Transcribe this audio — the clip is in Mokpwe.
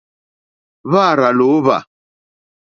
Hwá àrzà lǒhwà.